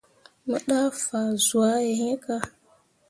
Mo ɗah fazwãhe iŋ kah.